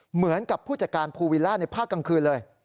เหมือนกับผู้จัดการภูวิลล่าในภาคกลางคืนเลย